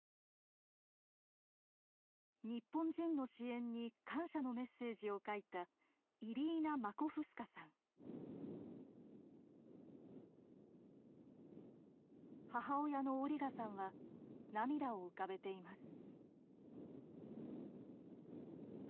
日本人の支援に感謝のメッセージを書いた母親のオリガさんは涙を浮かべています。